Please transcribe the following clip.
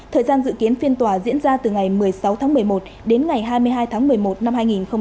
thời gian dự kiến phiên tòa diễn ra từ ngày một mươi sáu tháng một mươi một đến ngày hai mươi hai tháng một mươi một năm hai nghìn hai mươi